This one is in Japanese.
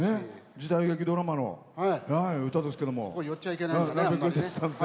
時代劇ドラマの歌ですけども。